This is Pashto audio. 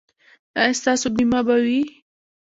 ایا ستاسو بیمه به وي؟